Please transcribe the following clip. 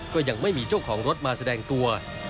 ก็ยังไม่มีเจ้าของรถมาแสดงตัว